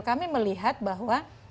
kami melihat bahwa